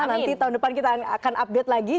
nanti tahun depan kita akan update lagi